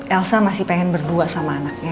elsa masih pengen berdua sama anaknya